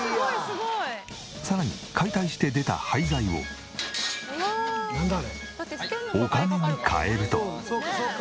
さらに解体して出た廃材をお金に換えると。